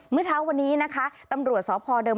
มื้อเช้าวันนี้ตำรวจศพดบ